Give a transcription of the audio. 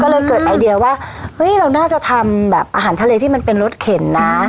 ก็เลยเกิดไอเดียว่าเฮ้ยเราน่าจะทำแบบอาหารทะเลที่มันเป็นรสเข็นนะ